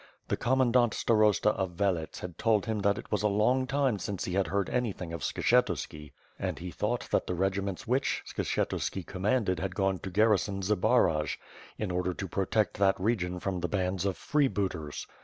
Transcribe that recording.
The com mandant Starosta of Velets had told him that it was a long time since he had heard anything of Skshetuski; and he thought that the regiments which Skshetuski commanded had gone to garrison Zbaraj, in order to protect that region from the bands of freebooters.